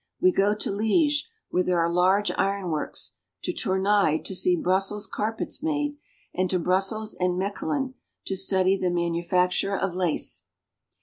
We go to Liege where there are large iron works, to Tournai to see Brussels carpets made, and to Brussels and Mechlin to study the manufacture of lace.